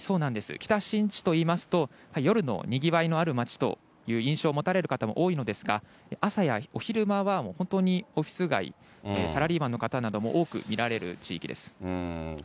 北新地といいますと、夜の賑わいのある街という印象持たれる方も多いのですが、朝やお昼間は、本当にオフィス街、サラリーマンの方なども多く見られる地域です。